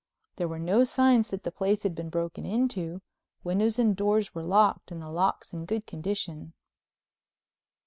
There were no signs that the place had been broken into—windows and doors were locked and the locks in good condition.